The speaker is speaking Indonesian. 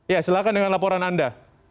ya silahkan dengan laporan anda